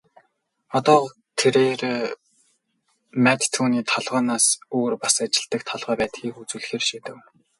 Одоо тэрээр Мад түүний толгойноос өөр бас ажилладаг толгой байдгийг үзүүлэхээр шийдэв.